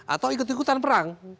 atau ikut ikutan perang